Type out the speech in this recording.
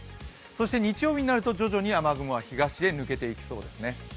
そして日曜日になると徐々に雨雲は東に抜けていきそうですね。